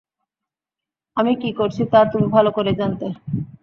আমি কি করছি তা তুমি ভালো করেই জানতে।